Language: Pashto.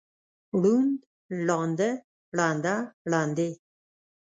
ړوند، ړانده، ړنده، ړندې.